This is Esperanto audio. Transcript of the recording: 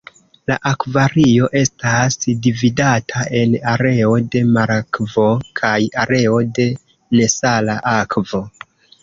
La "akvario" estas dividata en areo de marakvo kaj areo de nesala akvo.